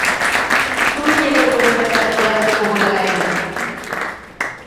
Como lle deu por empezar a xogar ao fútbol gaélico?